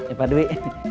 eh pak dwi